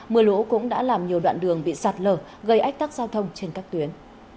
mưa lũ cũng đã làm nhiều đoạn đường bị sạt lở gây ách tắc giao thông trên các tuyến